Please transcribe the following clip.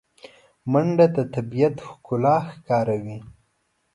منډه د طبیعت ښکلا ښکاروي